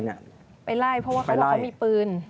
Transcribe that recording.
ไปไล่เพราะว่าเขาบอกเขามีปืน